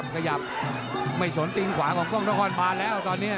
ขยับไม่สนติงขวาของกล้องนครบานแล้วตอนนี้